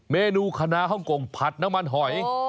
เมนูคณะฮ่องกงผัดน้ำมันหอย